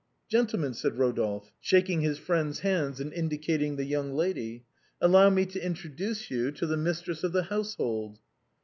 " Gentlemen," said Rodolphe, shaking his friends' hands, and indicating the young lady, " allow me to introduce you to the mistress of the household."